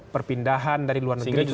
perpindahan dari luar negeri ke luar negeri